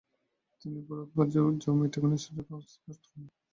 তিনি ভুরৎবুর্গের জুওটমিক ইনস্টিউশনের প্রসেক্টর হন।